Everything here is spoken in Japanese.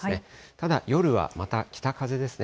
ただ夜はまた北風ですね。